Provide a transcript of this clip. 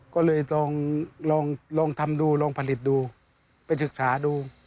ก็เลยลองทำดูลองผลิตดูไปศึกษาดู